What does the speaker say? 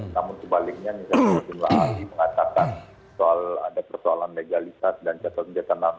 namun sebaliknya kita semua lagi mengatakan soal ada persoalan legalitas dan catatan jasa nama lain